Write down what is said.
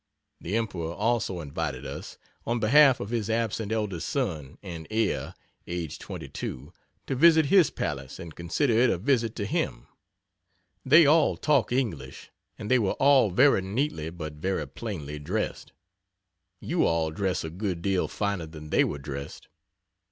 The Emperor also invited us, on behalf of his absent eldest son and heir (aged 22,) to visit his palace and consider it a visit to him. They all talk English and they were all very neatly but very plainly dressed. You all dress a good deal finer than they were dressed.